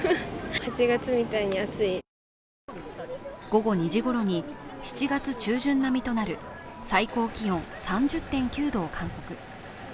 午後２時ごろに７月中旬並みとなる最高気温３０．９度を観測。